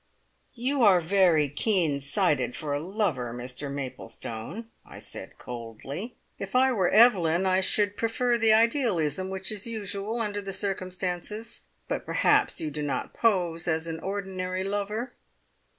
"You are very keen sighted for a lover, Mr Maplestone," I said coldly. "If I were Evelyn, I should prefer the idealism which is usual under the circumstances. But perhaps you do not pose as an ordinary lover."